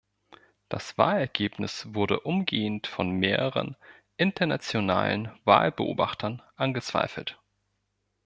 Das Wahlergebnis wurde umgehend von mehreren internationalen Wahlbeobachtern angezweifelt.